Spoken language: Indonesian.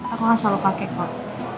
aku selalu pakai kok